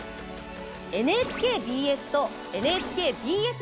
ＮＨＫＢＳとＮＨＫＢＳ